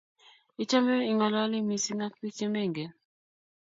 Ichome ing'aloli misng ak biik che mengen